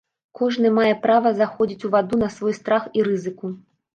Кожны мае права заходзіць у ваду на свой страх і рызыку.